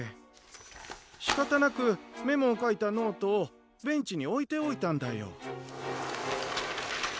しかたなくメモをかいたノートをベンチにおいておいたんだよ。